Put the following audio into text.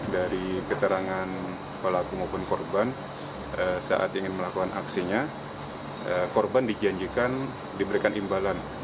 dari keterangan pelaku maupun korban saat ingin melakukan aksinya korban dijanjikan diberikan imbalan